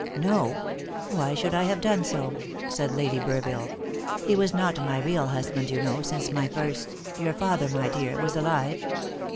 "No; why should I have done so?" said Lady Burville. "He was not my real husband, you know, since my first your father, my dear was alive.